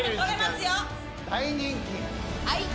大人気。